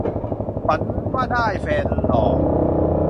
ฝันว่าได้แฟนหล่อ